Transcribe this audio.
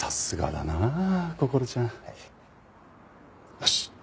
よし！